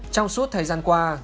trong suốt thời gian qua